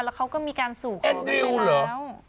แล้วเขาก็มีการสู่ของไปแล้ว